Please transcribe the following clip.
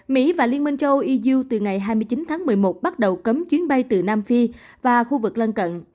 mỹ và liên minh châu âu eu từ ngày hai mươi chín tháng một mươi một bắt đầu cấm chuyến bay từ nam phi và khu vực lân cận